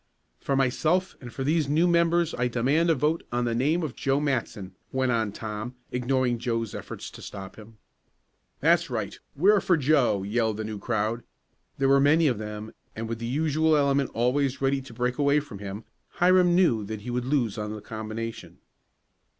"For myself and for these new members I demand a vote on the name of Joe Matson!" went on Tom, ignoring Joe's efforts to stop him. "That's right we're for Joe!" yelled the new crowd. There were many of them, and with the usual element always ready to break away from him, Hiram knew that he would lose on the combination.